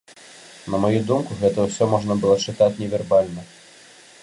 На маю думку, гэта ўсё можна чытаць невербальна.